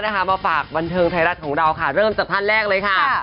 มาฝากบันเทิงไทยรัฐของเราค่ะเริ่มจากท่านแรกเลยค่ะ